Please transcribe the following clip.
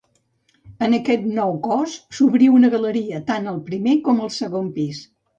En aquest nou cos s'obrí una galeria tant al primer com al segon pis.